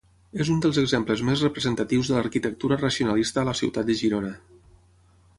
És un dels exemples més representatius de l'arquitectura racionalista a la ciutat de Girona.